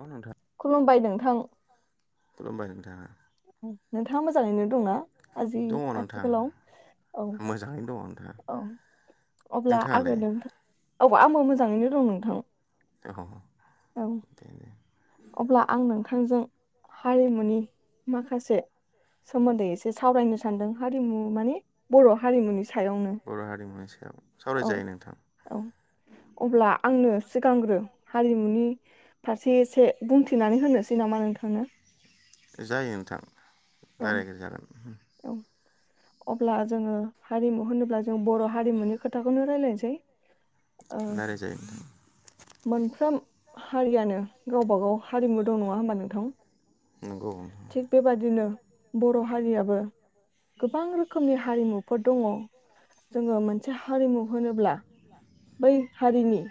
अ नोंथां खुलुमबाय नोंथां खुलुमबाय नोंथां। [inaudible] नोंथाङा मोजाङैनो दंना? आजि दङ नोंथां आथिखालाव औ मोजाङैनो दङ नोंथाङा औ अब्ला आङो नोंथाङालाय नोंथां औ आंबो मोजाङैनो दं नोंथां औ औ। दे दे अब्ला आं नों थांजों हारिमुनि माखासे सोमोन्दै एसे सावरायनो सानदों हारिमु माने बर' हारिमुनि सायावनो बर' हारिमुनि सायाव औ सावरायजायो नोंथां औ अब्ला आंनो सिगांग्रो हारिमुनि फारसे एसे बुंथिनानै होनोसै नामा नोंथांनो जायो नोंथां। औ रायज्य जागोन। औ अब्ला जोंङो हारिमु होनोब्ला जों बर' हारिमुनि खोथाखौनो रायलायनोसै। ओ रायज्लाय जायो नोंथां। मोनफ्रोम हारियानो गावबा गाव हारिमु दं नङा होमबा नोंथां। नंगौ थिग बेबादिनो बर' हारियाबो गोबां रोखोम खोमनि हारिमु फोर दंङ जोंङो मोनसे मोनसे हारिमु होनोब्ला बै हारिनि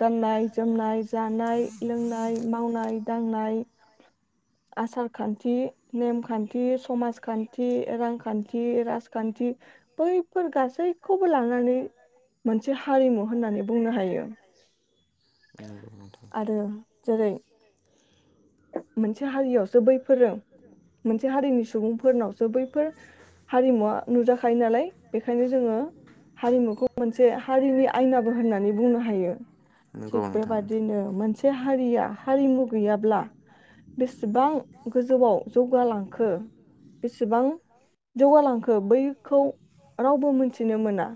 गाननाय जोमनाय जानाय लोंनाय मावनाय दांनाय। आसारखान्थि नेमखान्थि समाज खान्थि, रांखान्थि, राजखान्थि बैफोर गासैखौबो लानानै मोनसे हारिमु होननानै बुंनो हायो। नोंथां आरो जेरै मोनसे हारियाव [unintelligible] बैफोरो मोनसे हारिनि सुबुंफोरनावसो बैफोर हारिमुवा नुजाखायो नालाय बेखायनो जोङो हारिमुखौ मोनसे हारिनि आयनाबो होननानै बुंनो हायो नंगौ थिग नोंथां बेबादिनो मोनसे हारिया हारिमु गैयाब्ला बेसेबां गोजौआव जौगालांखो बेसेबां जौगालांखो बैखौ रावबो मोनथिनो मोना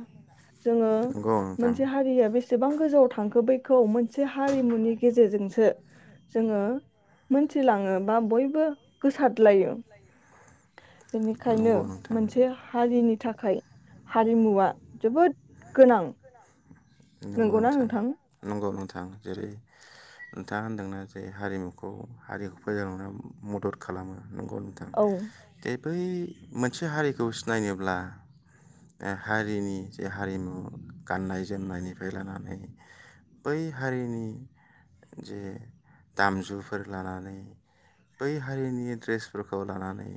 जोङो नंगौ नोंथां मोनसे हारिया बेस एसेबां गोजौआव थांखो बैखौ मोनसे हारिमुनि गेजेरजोंसो जोङो मोनथिलाङो बा बयबो गोसादलायो। बेनिखायनो नंगौ नोंथां मोनसे हारिनि थाखाय हारिमुवा जोबोद गोनां। नंगौ नोंथां नंगौ नोथ थां जेरै नोंथाङा होनदोंना जे हारिमुखौ हारिखौ फोजौ [unintelligible] मदद खालामो। नंगौ नोंथां औ दे बै मोनसे हारिखौ सिनायनोब्ला हारिनि जे हारिमु गाननायज जोमनायनिफ्राय लानानै बै हारिनि जे दामजुफोर लानानै बै हारिनि ड्रेसफोरखौ लानानै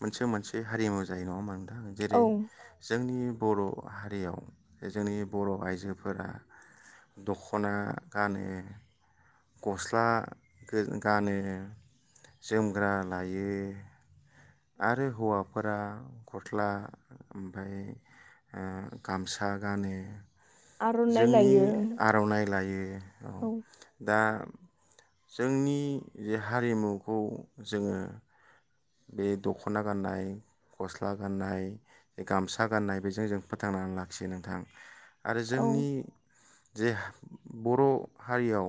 मोनसे मोनसे हारिमु जायो नङा होमबा औ जेरै जोंनि बर' हारियाव जोंनि बर' आइजोफोरा दख'ना गानो गस्ला गो गानो जोमग्रा लायो। आरो हौवाफोरा गस्ला ओमफाय ओ गामसा गानो। आर'नाइ जोंनि लायो आर'नाइ लायो औ दा जोंनि जे हारिमुखौ जोङो बे दख'ना गाननाय गस्ला गाननाय गामसा गाननाय बेजों जों फोथांनानै लाखियो नोंथां। आरो औ जोंनि जे बर' हारियाव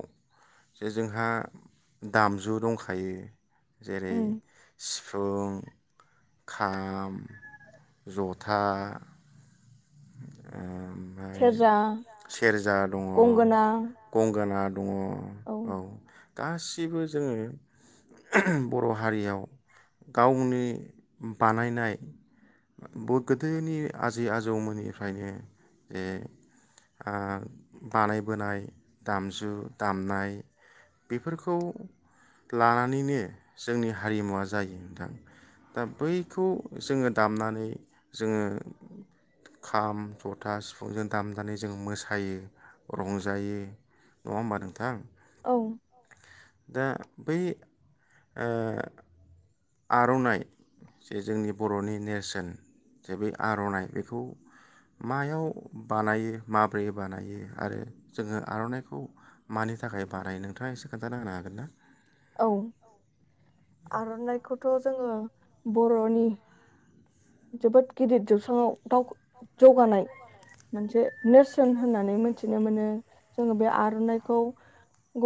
जे जोंहा दामजु दंखायो जेरै उम फुं खाम जथा ओ ओमफ्राय सेरजा सेरजा दङ गंगोना गंगोना। दङ औ। गासिबो जोङो बर' हारियाव गावनि बानायनाय ब गोदोनि आजै आजौमोननि निफ्रायनो ए ओ बानायबोनाय दामजु दामनाय बेफोरखौ लानानैनो जोंनि हारिमुवा जायो नोंथां दा बैखौ जोङो दामनानै जोङो खाम जथा सिफुंजों दामनानै जों मोसायो रंजायो नङा होमबा नोंथां? औ। दा बै ओ आर'नाइ जे जोंनि बर'नि नेरसोन जे बे आर'नाइ बेखौ मायाव बानायो माब्रै बानायो आरो जोङो आर'नाइखौ मानि थाखाय बानायो नोंथाङा एसे खोन्थाना होनो हागोन ना औ आर'नाइखौथ' जोङो बर'नि जोबोद गिदिर जोबस्राङाव जौगानाय मोनसे नेरसोन होननानै मोनथिनो मोनो जोङो बे आर'नाइखौ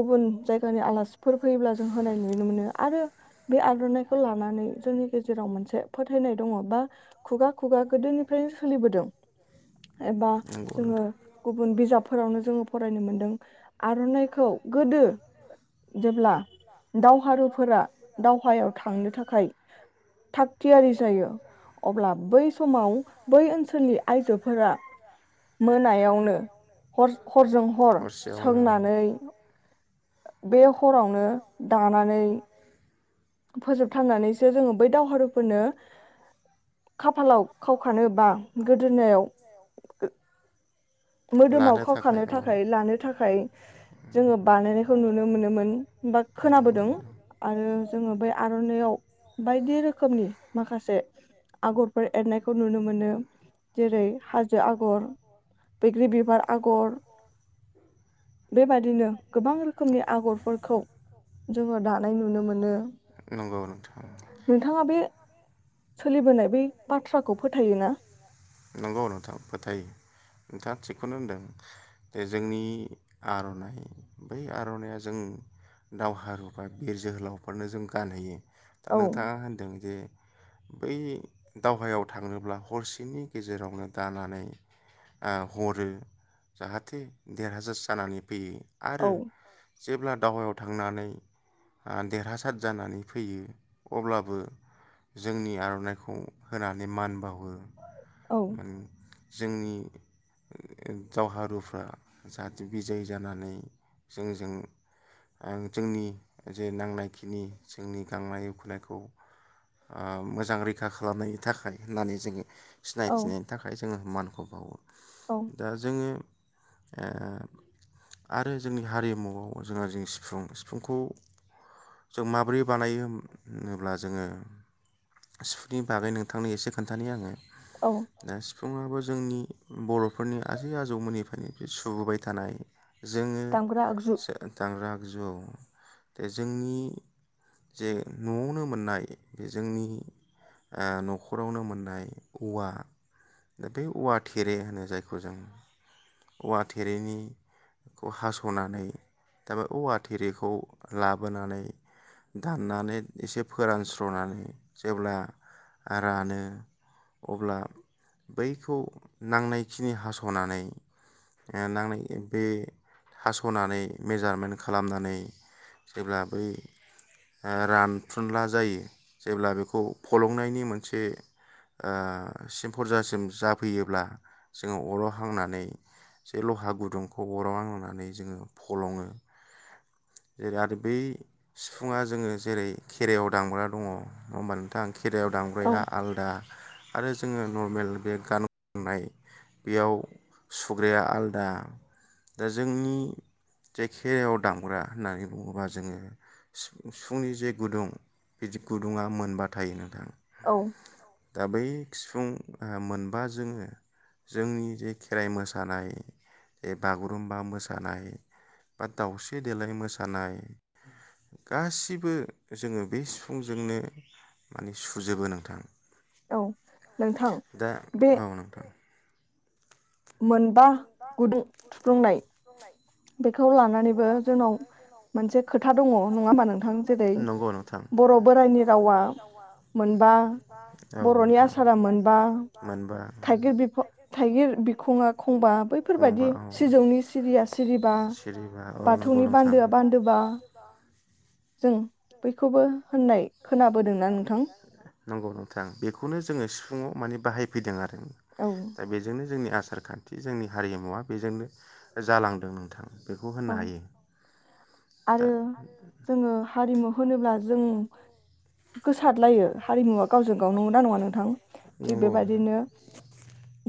गुबुन जायगानि आलासिफोर फैयोब्ला जों होनाय नुनो मोनो आरो बे आर'नाइखौ लानानै जोंनि गेजेराव मोनसे फोथायनाय दङ बा खुगा खुगा गोदोनिफ्रायनो सोलिबोदों एबा नंगौ जोङो नोंथां गुबुन बिजाब फोरावनो जोङो फरायनो मोनदों आर'नाइखौ गोदो जेब्ला दावहारुफोरा दावहायाव थांनो थाखाय थागथियारि जायो अब्ला बै समाव बै ओनसोलनि आइजोफोरा मोनायावनो ह-हरजों हर हरसेयावनो औ सोंनानै बे हरावनो दानानै फोजोबथारनानै स सो जोङो बै दावहारुफोरनो खाफालाव खावखानो बा गोदोनायाव मोदोमाव लानो खावखानो औ थाखाय लानो थाखाय जोङो बानायनायखौ नुनो मोनोमोन बा नंगौ खोनाबोदों नोंथां आरो जोङो बे आर'नायाव बायदि रोखोमनि माखासे आगरफोर एरनायखौ नुनो मोनो जेरै हा जो आगर ग्रि बिबार आगर बेबादिनो गोबां रोखोमनि आगरफोरखौ जोङो दानाय नुनो मोनो नंगौ नोंथां नोंथाङा बे सोलिबोनाय बै बाथ्राखौ फोथायोना नंगौनाव थां फोथायो नोंथाङा थिगखौनो होनदों जे जोंनि आर'नाइ बै आर'नाइया जों दावहारुफा बिर जोहोलावफोरनो जों गानहैयो दा औ नोंथाङा होनदों जे बै दावहायाव थांङोब्ला हरसेनि गेजेरावनो दानानै ओ हरो जाहाथे देरहासार जानानै फैयो औ आरो जेब्ला दावहायाव थांनानै ओ देरहासाद जानानै फैयो अब्लाबो जोंनि आर'नाइखौ होनानै मान बावो औ मान जोंनि दावहारुफ्रा जाहाथे बिजय जानानै जोंजों जोंनि जे नांनाय खिनि जोंनि गांनाय उखैनायखौ मोजां रैखा खालामनायनि थाखाय होननानै जोङो औ सिनायथिनायनि थाखाय जोङो मानखौ बावो औ दा जोङो आरो जोंनि हारिमुआव जोंहा जों सिफुं सिफुंखौ जों माबोरै बानायो होनोब्ला जोङो सिफुंनि बागै नोंथांनो एसे खोन्थानि आङो औ दा सिफु सुबुङाबो जोंनि बर'फोरनि आजै आजौमोननिफोरनि सुबोबाय थानाय जोङो दामग्रा आगजु दांग्रा आगजुआव द जोंनि जे न'आवनो मोननाय बे जोंनि ओ न'खरावनो मोननाय औवा दा बे औवा थेरे होनो जायखौ जों औवा थेरेनिखौ हास'नानै दा बे औवा थेरेखौ लाबोनानै दाननानै एसे फोरानस्र'नानै जेब्ला रानो अब्ला बैखौ नांनायखिनि हास'नानै नांनाय बे हास'नानै मेजारमेन्ट खालामनानै जेब्ला बै रानफ्रुनला जायो जेब्ला बेखौ फलंनायनि मोनसे सिम फरजासिम जाफैयोब्ला जोङो अराव हांनानै ज लहा गुदुंखौ अराव हांनानै जोङो फलङो जेरै आरो बै सिफुङा जोङो जेरै खेरायाव दामग्रा दङ होनोमबा नोंथाङा खेराइयाव औ दामग्राया आलादा आरो जोङो नर्मेल बे गान खननाय बेयाव सुग्राया आलादा दा जोंनि जे खेरायाव दामग्रा होननानै बुङोबा जोङो सिफुंनि जे गुदुं बिदि गुदुङा मोनबा थायो नोंथां। औ दा बै सिफुं मोनबा जोङो जोंनि जे खेराइ मोसानाय जे बागुरुम्बा मोसानाय बा दाउस्रि देलाय मोसानाय गासिबो जोङो बे सिफुंजोंनो माने सुजोबो नोंथां। औ नोंथां दा बे औ नोंथां। मोनबा गुदुं। बुंनाय बुंनाय बेखौ लानानै लानानैबो जोंनाव मोनसे खोथा दङ नङा होमबा नोंथां? जेरै नंगौ नोंथां बर' बोराइनि रावा मोनबा औ बरनि नोंथां आसारा मोनबा मोनबा थाइगिर बि थाइगिर बिखङा खंबा खंबा बैफोरबायदि औ सिजौनि सिरिया सिरिबा सिरिबा सिरिबा औ नंगौ बाथौनि नोंथां बान्दोआ बान्दोबा। जों बैखौबो होननाय खोनाबोदोंना नोंथां? नंगौ नोंथां बेखौनो जोङो सिफुंआव माने बाहायफैदों आरो। औ दा बेजोंनो जोंनि आसारखान्थि जोंनि हारिमुवा बेजोंनो जालांदों नोंथां। बेखौ औ होननो हायो। दा आरो जोङो हारि होनोब्ला जों गोसारलायो हारिमुवा गावजों गाव नंगौना नङा नोंथां? थिग नंगौ बेबायदिनो नोंथां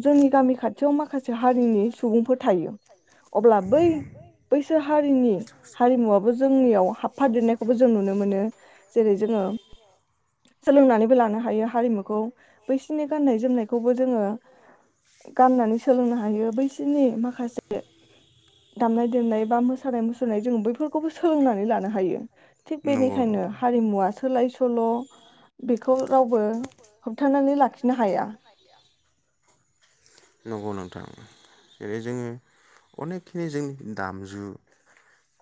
जोंनि गामि खाथियाव माख माखासे हारिनि सुबुंफोर थायो अब्ला बै बैसोर हारिनि हारिमुवाबो जोंनियाव हाबफादेरनायखौबो जों नुनो मोनो, जेरै जोङो सोलोंनानै लानो हायो हारिमुखौ बैसोरनि गाननाय जोमनायखौबो जोङो गाननानै सोलोंनो हायो बैसोरनि माखासे दामनाय देनाय बा मोसानाय मुसुरनाय जोंङो बैफोरखौबो सोलोंनानै लानो हायो थिग नंगौ बेनिखायनो नोंथां हारिमुआ सोलाय सोल' बेखौ रावबो होबथानानै लाखिनो हाया। नंगौ नोंथां जेरै जोङो अनेगखिनि जोंनि दामजु।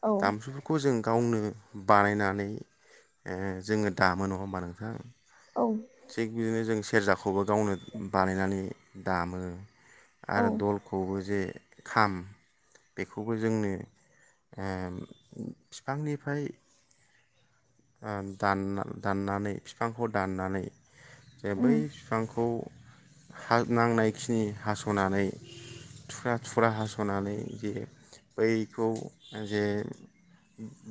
औ दामजुफोरखौ जों गावनो बानायनानै ओ जोङो दामो नङा होमबा नोंथां? औ थिग बिदिनो जों सेरजाखौबो गावनो बानायनानै दामो। औ आरो दलखौबो जे खाम बेखौबो जोंनो ओ फिफांनिफ्राय दान दाननानै फिफांखौ दाननानै जे बै उम बिफांखौ। नांनायखिनि हास'नानै थुख्रा थुख्रा हास'नानै जे बैखौ जे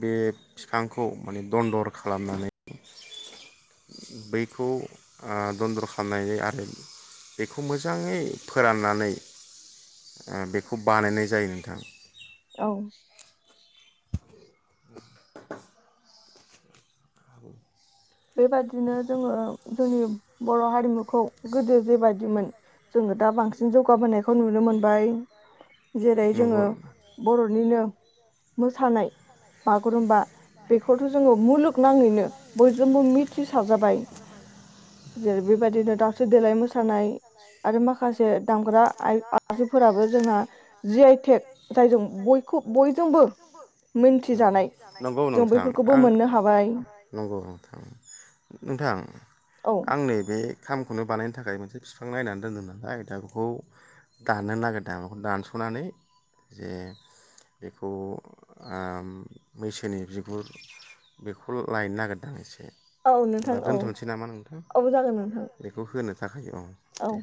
बे बिफांखौ माने दन्दर खालामनानै बैखौ ओ दन्दर खालामनानै आरो बेखौ मोजाङै फोराननानै बेखौ बानायनाय जायो नोंथां‌ औ [inaudible] बेबादिनो जोङो जोंनि बर' हारिमुखौ गोदो जेबायदिमोन जोङो दा बांसिन जौगाबोनायखौ नुनो मोनबाय। जेरै जोङो नंगौ बर'निनो मोसानाय बागुरुम्बा बेखौथ' जोङो मुलुगनाङैनो बय जोंबो मिथिसारजाबाय जेरै बेबायदिनो दावस्रि देलाय मोसानाय आरो माखासे माखासे दामग्रा आइजें फोराबो जोंना जि आइटेक जायजों बयखौ बयजोंबो मिथिजानाय नंगौ जों बैफोरखौबो मोननो हाबाय। औ नोंथां नोंथां औ आं नै बे खामखौनो बानायनो थाखाय मोनसे बिफां नायनानै दोनदों नालाय दा बेखौ दाननो नागिरदों आं बेखौ दानस'नानै जे बेखौ मैसोनि बिगुर बेखौ लायनो नागिरदों आं एसे औ नोंथां होमबा औ दोनथ'नोसै नामा औ जागोन नोंथां। हायो औ दे